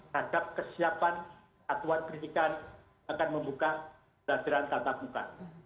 hadap kesiapan aturan pendidikan akan membuka lataran tata muka